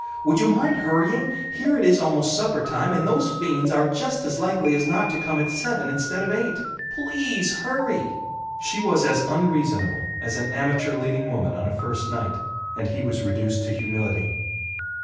Would you mind hurrying? Here it is almost suppertime, and those fiends are just as likely as not to come at seven instead of eight. PLEASE hurry!" She was as unreasonable as an amateur leading woman on a first night, and he was reduced to humility.